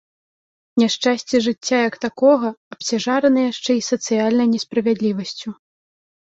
Няшчасці жыцця як такога абцяжараны яшчэ і сацыяльнай несправядлівасцю.